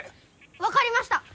分かりました。